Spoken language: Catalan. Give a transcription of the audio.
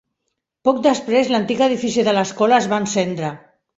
Poc després, l'antic edifici de l'escola es va encendre.